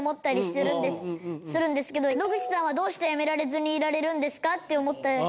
野口さんはどうしてやめられずにいられるんですか？って思って。